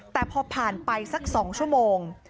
แต่พอผ่านไปสัก๒ชั่วโมง